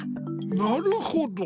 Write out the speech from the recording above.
なるほど。